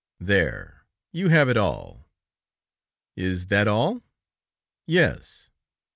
There you have it all!" "Is that all?" "Yes."